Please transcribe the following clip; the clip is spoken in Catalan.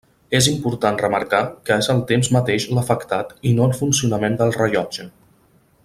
És important remarcar que és el temps mateix l'afectat i no el funcionament del rellotge.